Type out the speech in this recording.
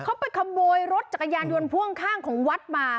เขาไปขโมยรถจักรยานยนต์พ่วงข้างของวัดมา